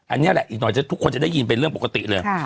อันนี้แหละอีกหน่อยทุกคนจะได้ยินเป็นเรื่องปกติเลย